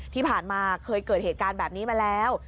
ที่ผ่านมาเคยเกิดเหตุการณ์แบบนี้มาแล้ว